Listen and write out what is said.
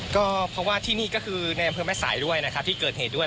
ก็เพราะว่าที่นี่ก็คือในอำเภอแม่สายด้วยนะครับที่เกิดเหตุด้วย